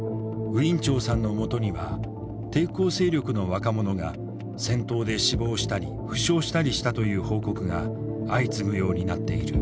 ウィン・チョウさんのもとには抵抗勢力の若者が戦闘で死亡したり負傷したりしたという報告が相次ぐようになっている。